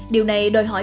điều này đòi hỏi